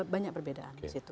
banyak perbedaan di situ